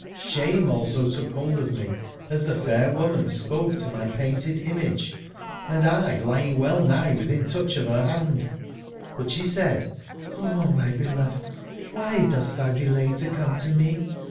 Sbame also took bold of me as tbe fair woman spoke to my painted image, 89 andl lying wcU/nigb within touch of her hand; but 9bc said: *0 my beloved, why dost thou delay to come to me?